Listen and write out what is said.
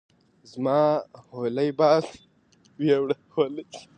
زما حولی باد ويوړه